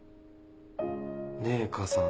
ねぇ母さん。